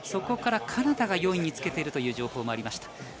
カナダが４位につけているという情報もありました。